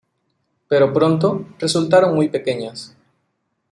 Pero pronto, resultaron muy pequeñas.